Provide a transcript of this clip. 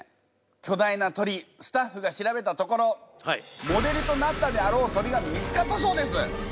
巨大な鳥スタッフが調べたところモデルとなったであろう鳥が見つかったそうです！